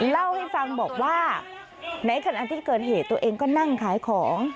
เล่าให้ฟังบอกว่าในขณะที่เกิดเหตุตัวเองก็นั่งขายของ